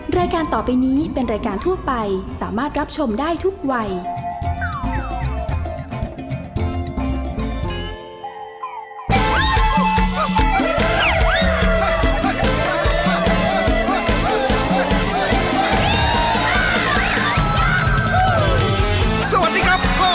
สวัสดีครับพ่อแม่มี่น้อง